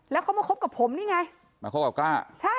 แล้วเขามาคบกับผมนี่ไงมาคบกับกล้าใช่